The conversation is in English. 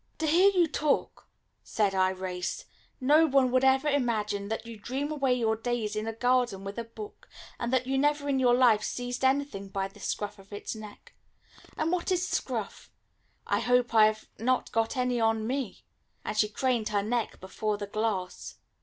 "To hear you talk," said Irais, "no one would ever imagine that you dream away your days in a garden with a book, and that you never in your life seized anything by the scruff of its neck. And what is scruff? I hope I have not got any on me." And she craned her neck before the glass.